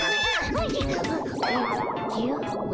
おじゃ。